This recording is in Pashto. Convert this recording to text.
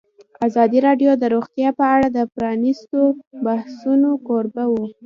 ازادي راډیو د روغتیا په اړه د پرانیستو بحثونو کوربه وه.